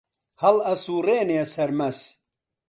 هەڵ ئەسووڕێنێ سەرمەس